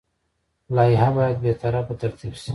لایحه باید بې طرفه ترتیب شي.